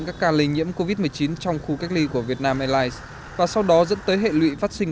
các ca lây nhiễm covid một mươi chín trong khu cách ly của việt nam airlines và sau đó dẫn tới hệ lụy phát sinh